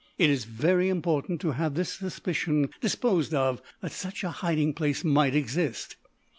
It is very important to have the suspicion disposed of that such a hiding place might exist."